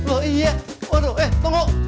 oh iya waduh eh tonggok